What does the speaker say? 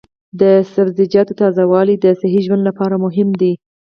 د سبزیجاتو تازه والي د صحي ژوند لپاره مهمه ده.